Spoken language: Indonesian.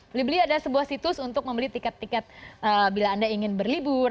belibeli ada sebuah situs untuk membeli tiket tiket bila anda ingin berlibur